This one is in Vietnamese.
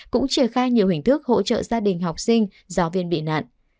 cũng triển khai nhiều hình thức hỗ trợ gia đình học sinh giáo viên bị nạn